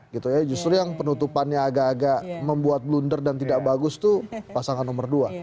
gitu ya justru yang penutupannya agak agak membuat blunder dan tidak bagus itu pasangan nomor dua